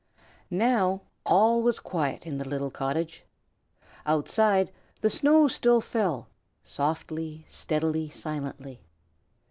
Now all was quiet in the little cottage. Outside, the snow still fell, softly, steadily, silently.